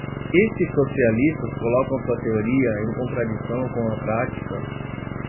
Estes socialistas colocam sua teoria em contradição com a prática